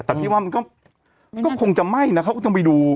แต่พี่ว่ามันก็คงจะไหม้นะเขาก็ต้องไปดู